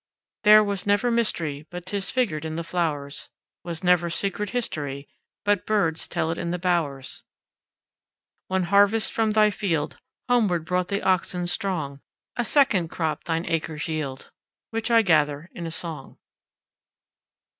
There was never mysteryBut 'tis figured in the flowers; SWas never secret historyBut birds tell it in the bowers. One harvest from thy fieldHomeward brought the oxen strong;A second crop thine acres yield, Which I gather in a song.